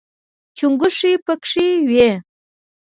چونګښې پکې وي.